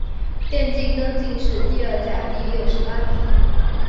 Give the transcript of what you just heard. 殿试登进士第二甲第六十八名。